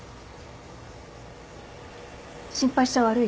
心配しちゃ悪い？